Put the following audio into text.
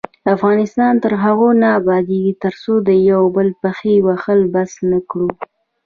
افغانستان تر هغو نه ابادیږي، ترڅو د یو بل پښې وهل بس نکړو.